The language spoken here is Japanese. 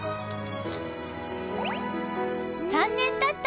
３年たった